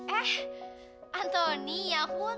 eh antoni ya ampun